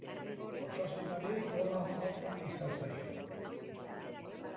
Osasunari gola falta izan zaio.